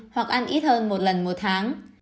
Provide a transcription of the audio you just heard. hoặc ăn ít hơn một lần một tháng